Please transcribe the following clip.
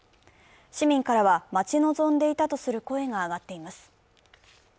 市民からは待ち望んでいたとする声が上がっています。